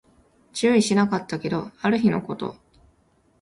注意しなかったけど、ある日のこと